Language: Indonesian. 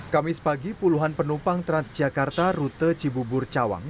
kamis pagi puluhan penumpang transjakarta rute cibubur cawang